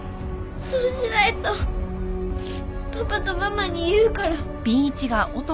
そうしないとパパとママに言うから